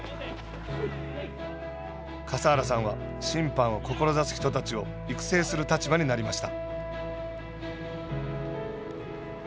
笠原さんは審判を志す人たちを育成する立場になりました。